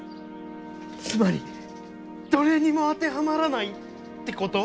つまりどれにも当てはまらないってこと？